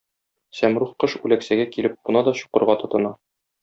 Сәмруг кош үләксәгә килеп куна да чукырга тотына.